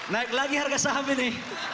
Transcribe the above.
naik lagi harga saham ini